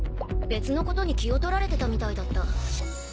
別のことに気を取られてたみたいだった。